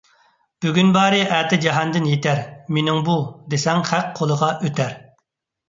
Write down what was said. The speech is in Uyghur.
بۈگۈن بارى ئەتە جاھاندىن يىتەر، «مېنىڭ بۇ» دېسەڭ خەق قولىغا ئۆتەر.